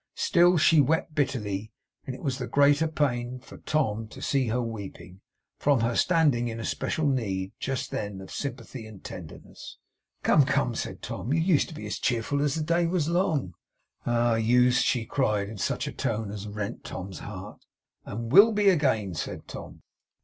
Still she wept bitterly; and it was the greater pain to Tom to see her weeping, from her standing in especial need, just then, of sympathy and tenderness. 'Come, come!' said Tom, 'you used to be as cheerful as the day was long.' 'Ah! used!' she cried, in such a tone as rent Tom's heart. 'And will be again,' said Tom.